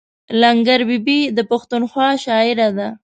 لنګر بي بي د پښتونخوا شاعره ده.